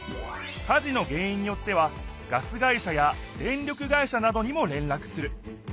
火事の原いんによってはガス会社や電力会社などにも連絡する。